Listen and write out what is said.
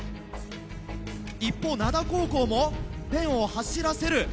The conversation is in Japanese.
一方灘高校もペンを走らせる。